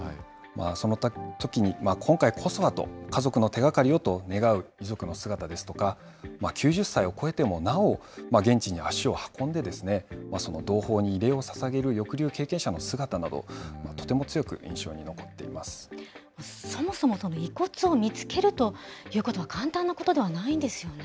そのときに、今回こそはと、家族の手がかりをと願う遺族の姿ですとか、９０歳を超えてもなお現地に足を運んで、同胞に慰霊をささげる抑留経験者の姿など、とてもそもそも、遺骨を見つけるということは簡単なことではないんですよね。